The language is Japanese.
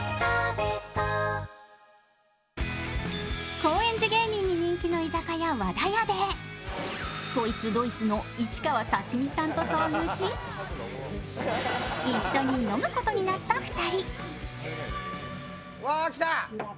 高円寺芸人に人気の居酒屋、和田屋で、そいつどいつの市川刺身さんと遭遇し、一緒に飲むことになった２人。